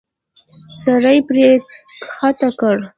سړی پړی کښته کړ.